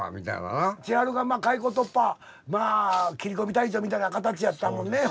千春が開口まあ切り込み隊長みたいな形やったもんね。